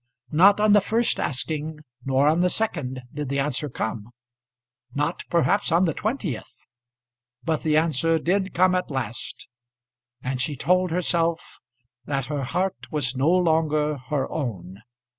Not on the first asking nor on the second did the answer come; not perhaps on the twentieth. But the answer did come at last, and she told herself that her heart was no longer her own.